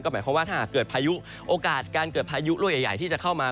หมายความว่าถ้าหากเกิดพายุโอกาสการเกิดพายุลูกใหญ่ที่จะเข้ามา